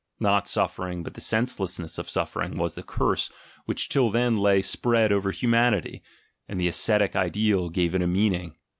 Not suffering, but the senselessness of suffering was the curse which till then lay spread over humanity — and the ascetic ideal gave it a meaning!